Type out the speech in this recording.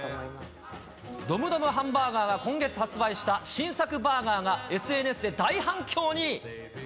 ドムドムハンバーガーが今月発売した新作バーガーが、ＳＮＳで大反響に。